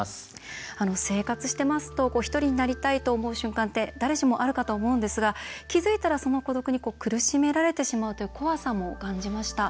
生活していますとひとりになりたいと思う瞬間って誰しもあるかと思うんですが気付いたらその孤独に苦しめられてしまうという怖さも感じました。